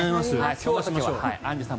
今日はアンジュさん